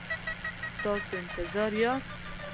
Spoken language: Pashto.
تاسو انتظار یاست؟